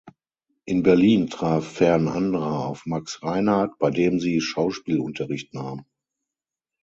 In Berlin traf Fern Andra auf Max Reinhardt, bei dem sie Schauspielunterricht nahm.